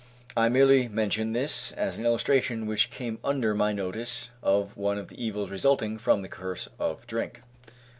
I merely mention this as an illustration which came under my notice of one of the evils resulting from the curse of drink.